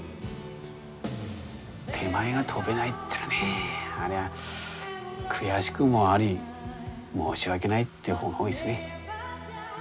手前が飛べないっていうのはねありゃ悔しくもあり申し訳ないっていう方が多いですね。